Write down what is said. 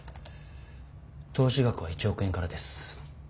投資額は１億円からです。